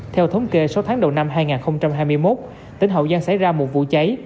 theo thống kê sáu tháng đầu năm hai nghìn hai mươi một tỉnh hậu giang xảy ra một vụ cháy